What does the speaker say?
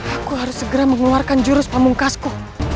aku harus segera mengeluarkan jurus pamungkasku